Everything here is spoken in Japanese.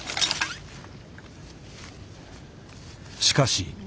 しかし。